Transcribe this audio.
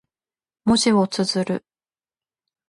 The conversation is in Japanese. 文字を綴る。